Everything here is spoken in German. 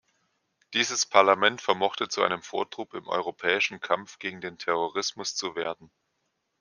Dieses Parlament vermochte zu einem Vortrupp im europäischen Kampf gegen den Terrorismus zu werden.